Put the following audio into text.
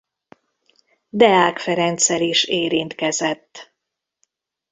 Deák Ferenccel is érintkezett.